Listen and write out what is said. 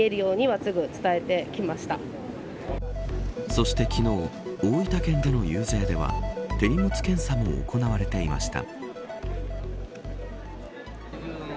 そして昨日大分県での遊説では手荷物検査も行われていました。